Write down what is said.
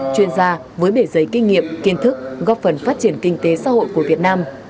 chuyên gia với bể giấy kinh nghiệm kiến thức góp phần phát triển kinh tế xã hội của việt nam